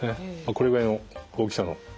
これぐらいの大きさの。